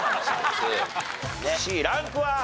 Ｃランクは？